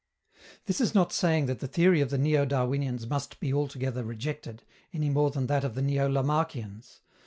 This is not saying that the theory of the neo Darwinians must be altogether rejected, any more than that of the neo Lamarckians.